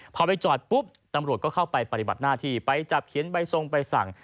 พอไปจอดปุ๊บตำรวจก็เข้าไปปฏิบัติหน้าที่ไปจับเขียนใบทรงใบสั่ง